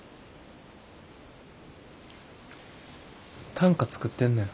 短歌作ってんねん。